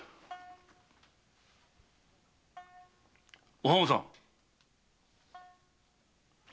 お浜さん？